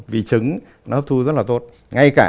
vì trứng nó hấp thu rất là tốt ngay cả